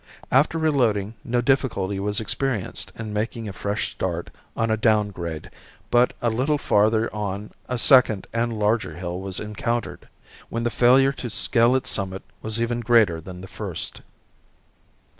After reloading no difficulty was experienced in making a fresh start on a down grade, but a little farther on a second and larger hill was encountered, when the failure to scale its summit was even greater than the first.